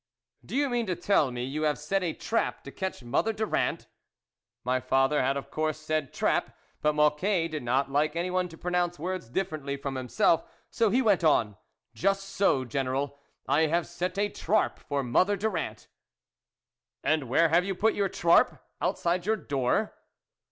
" Do you mean to tell me you have set a trap to catch Mother Durand ?" My father had of course said trap ; but Mocquet did not like anyone to pronounce words differently from himself, so he went on: " Just so, General ; I have set a trarp for Mother Durand." " And where have you put your trarp ? Outside your door